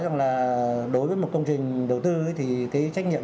vâng tôi cũng nghĩ rằng